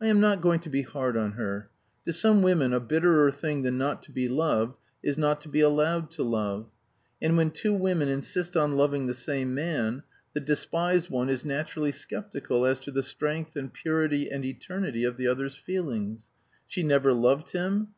I am not going to be hard on her. To some women a bitterer thing than not to be loved is not to be allowed to love. And when two women insist on loving the same man, the despised one is naturally skeptical as to the strength and purity and eternity of the other's feelings. "She never loved him!"